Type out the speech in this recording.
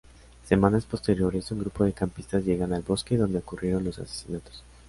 Semanas posteriores, un grupo de campistas llegan al bosque donde ocurrieron los asesinatos.